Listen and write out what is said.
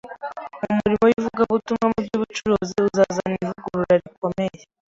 umurimo w’ivugabutumwa mu by’ubuvuzi uzazana ivugurura rikomeye.